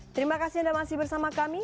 terima kasih anda masih bersama kami